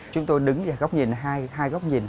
chúng tôi đứng giữa góc nhìn hai góc nhìn